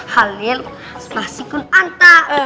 halil spasi kun anta